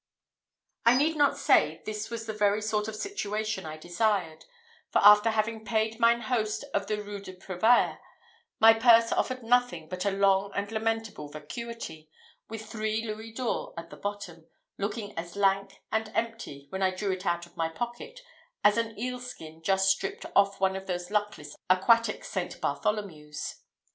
I need not say this was the very sort of situation I desired; for after having paid mine host of the Rue des Prouvaires, my purse offered nothing but a long and lamentable vacuity, with three louis d'ors at the bottom, looking as lank and empty, when I drew it out of my pocket, as an eel skin just stripped off one of those luckless aquatic St. Bartholomews.